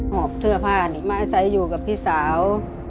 หอบเสื้อผ้านิมาใส่อยู่กับพี่สาว